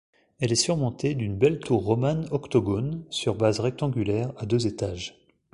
Elle est surmontée d'une belle tour romane octogone sur base rectangulaire à deux étages.